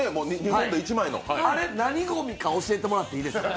あれ、何ごみか教えてもらっていいですか？